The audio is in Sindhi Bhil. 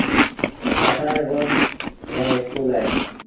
اسآݩ ري ڳوٺ ميݩ اسڪول اهي۔